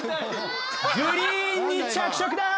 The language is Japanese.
グリーンに着色だ！